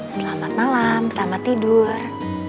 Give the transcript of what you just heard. selamat malam selamat tidur